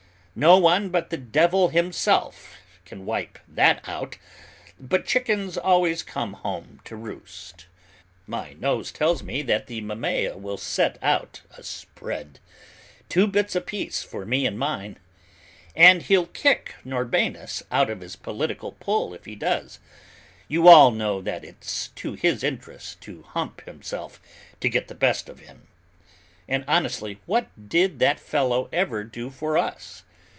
No one but the devil himself can wipe that out, but chickens always come home to roost. My nose tells me that Mammaea will set out a spread: two bits apiece for me and mine! And he'll nick Norbanus out of his political pull if he does; you all know that it's to his interest to hump himself to get the best of him. And honestly, what did that fellow ever do for us?